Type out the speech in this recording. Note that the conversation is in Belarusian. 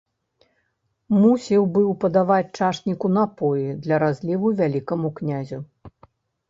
Мусіў быў падаваць чашніку напоі для разліву вялікаму князю.